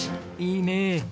いいねえ。